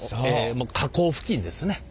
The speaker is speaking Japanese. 河口付近ですね。